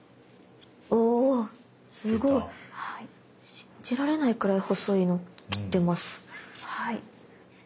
信じられないくらい細いの切ってます。